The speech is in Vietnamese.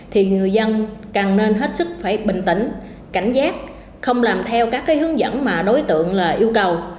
thì người dân càng nên hết sức phải bình tĩnh cảnh giác không làm theo các hướng dẫn mà đối tượng yêu cầu